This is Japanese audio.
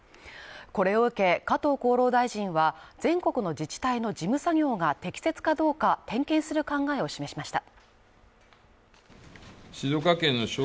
これを受け、加藤厚労大臣は、全国の自治体の事務作業が適切かどうか点検する考えを示しました。